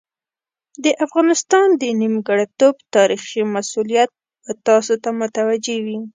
د افغانستان د نیمګړتوب تاریخي مسوولیت به تاسو ته متوجه وي.